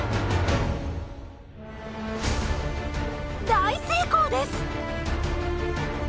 大成功です！